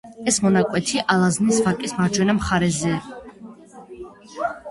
ეს მონაკვეთი ალაზნის ვაკის მარჯვენა მხარეზე.